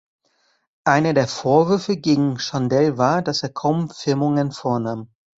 Einer der Vorwürfe gegen Chandelle war, dass er kaum Firmungen vornahm.